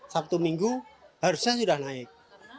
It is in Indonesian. sabtu minggu harusnya sudah naik